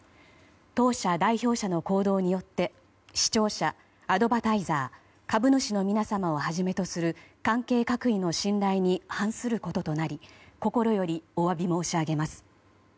当社代表者の行動によって視聴者アドバタイザー株主の皆様をはじめとする関係各位の信頼に反することとなり心よりお詫び申し上げます。